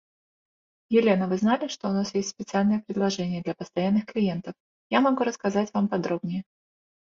The game takes place within a psychiatric hospital filled with zombies.